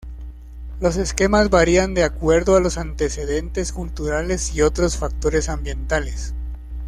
Los esquemas varían de acuerdo a los antecedentes culturales y otros factores ambientales.